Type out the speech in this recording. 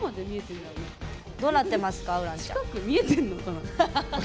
どうなってますか？